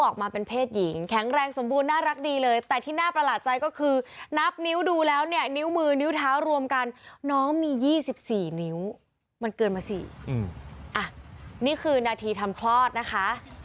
เกินมาสี่อ่ะนี่คือหน้าทีทำคลอดนะคะ